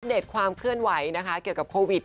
เดตความเคลื่อนไหวนะคะเกี่ยวกับโควิด